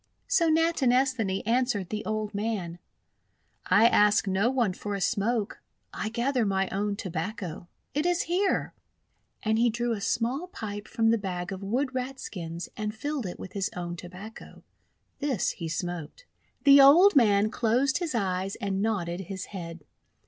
So Natinesthani answered the old man :— "I ask no one for a smoke. I gather my own Tobacco. It is here." And he drew a small pipe from the bag of WTood Rat skins and filled it with his own Tobacco. This he smoked. The old man closed his eyes and nodded his head.